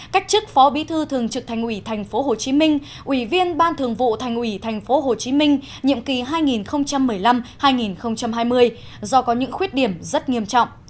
cách chức phó bí thư thường trực thành ủy tp hcm ủy viên ban thường vụ thành ủy tp hcm nhiệm kỳ hai nghìn một mươi năm hai nghìn hai mươi do có những khuyết điểm rất nghiêm trọng